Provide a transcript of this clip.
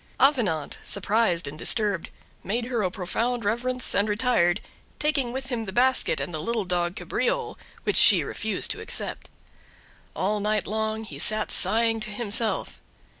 Avenant, surprised and disturbed, made her a profound reverence and retired, taking with him the basket and the little dog Cabriole, which she refused to accept. All night long he sat sighing to himself.